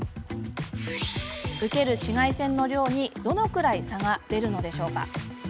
受ける紫外線の量にどのくらい差が出るのでしょうか。